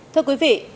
thưa quý vị